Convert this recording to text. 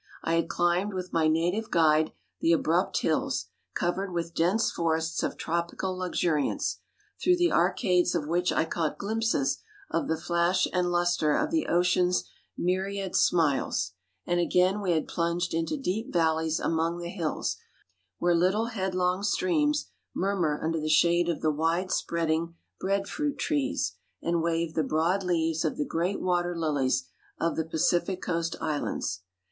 I had climbed with my native guide the abrupt hills, covered with dense forests of tropical luxuriance, through the arcades of which I caught glimpses of the flash and luster of the ocean's myriad smiles, and again we had plunged into deep valleys among the hills, where little headlong streams murmur under the shade of the widespreading bread fruit trees and wave the broad leaves of the great water lilies of the Pacific coast islands.